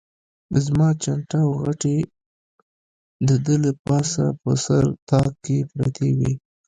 زما چانټه او غوټې د ده له پاسه په سر طاق کې پرتې وې.